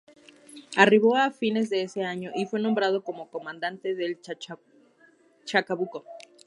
Arribó a fines de ese año y fue nombrado comandante del "Chacabuco".